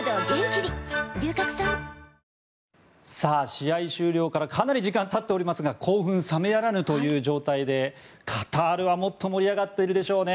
試合終了からかなり時間がたっていますが興奮冷めやらぬという状態でカタールはもっと盛り上がってるでしょうね。